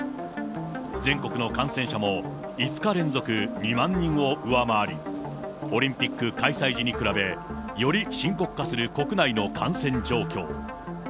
全国の感染者も５日連続２万人を上回り、オリンピック開催時に比べ、より深刻化する国内の感染状況。